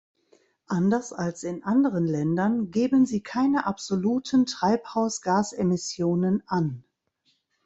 Anders als in anderen Ländern geben sie keine absoluten Treibhausgasemissionen an.